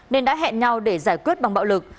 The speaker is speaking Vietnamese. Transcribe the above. nên đã hẹn nhau để giải quyết bằng bạo lực